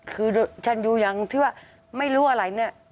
คือฉันอยู่อย่างที่ว่าไม่รู้อะไรเนี่ย